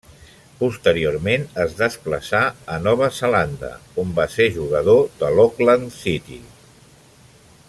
Posteriorment es desplaçà a Nova Zelanda, on va ser jugador de l'Auckland City.